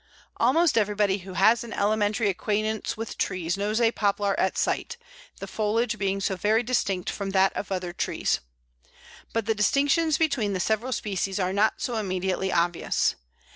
Almost everybody who has an elementary acquaintance with trees knows a Poplar at sight, the foliage being so very distinct from that of other trees. But the distinctions between the several species are not so immediately obvious.